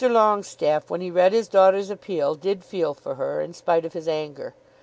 Longestaffe, when he read his daughter's appeal, did feel for her, in spite of his anger.